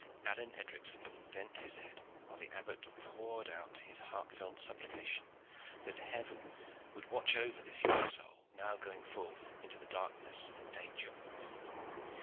Alleyne Edricson bent his head while the Abbot poured out his heartfelt supplication that Heaven would watch over this young soul, now going forth into the darkness and danger of the world.